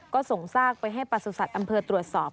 ก็ส่งซากไปให้ประสุทธิ์อำเภอตรวจสอบ